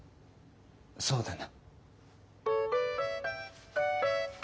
そうだな。